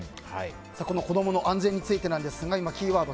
子どもの安全についてなんですがキーワード